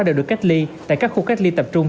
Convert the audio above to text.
đều được cách ly tại các khu cách ly tập trung